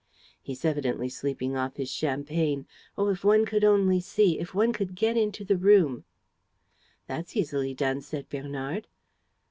"He's evidently sleeping off his champagne. Oh, if one could only see, if one could get into the room!" "That's easily done," said Bernard.